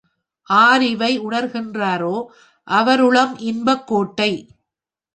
ஆரிவை உணர்கின் றாரோ அவருளம் இன்பக் கோட்டை.